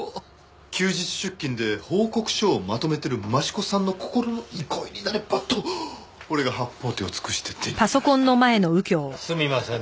休日出勤で報告書をまとめてる益子さんの心の憩いになればと俺が八方手を尽くして手に入れました。